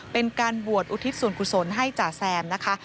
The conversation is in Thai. เป็นการบวชอุทิศส่วนกุศลให้จ่าแซมนะคะ